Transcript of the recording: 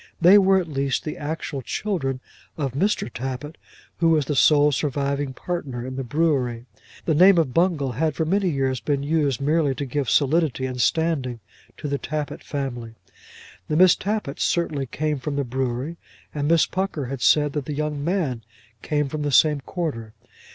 They were, at least, the actual children of Mr. Tappitt, who was the sole surviving partner in the brewery. The name of Bungall had for many years been used merely to give solidity and standing to the Tappitt family. The Miss Tappitts certainly came from the brewery, and Miss Pucker had said that the young man came from the same quarter.